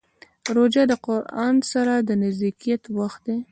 روژه د قرآن سره د نزدېکت وخت دی.